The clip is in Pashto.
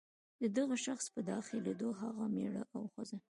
د دغه شخص په داخلېدو هغه مېړه او ښځه.